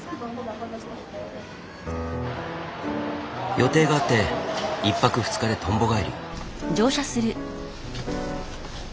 予定があって１泊２日でとんぼ返り。